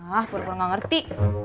ah pura pura nggak ngerti